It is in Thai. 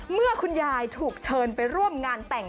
เมื่อคุณยายถูกเชิญไปร่วมงานแต่ง